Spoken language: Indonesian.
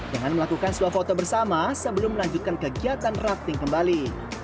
dengan melakukan swafoto bersama sebelum melanjutkan kegiatan rafting kembali